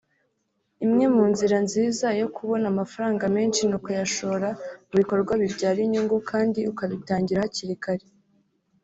Imwe mu nzira nziza yo kubona amafaranga menshi ni ukuyashora mu bikorwa bibyara inyungu kandi ukabitangira hakiri kare